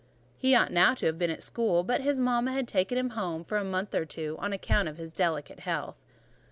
He ought now to have been at school; but his mama had taken him home for a month or two, "on account of his delicate health."